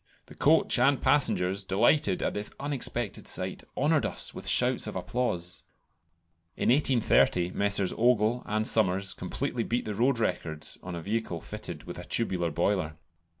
The coach and passengers, delighted at this unexpected sight, honoured us with shouts of applause." In 1830 Messrs. Ogle and Summers completely beat the road record on a vehicle fitted with a tubular boiler.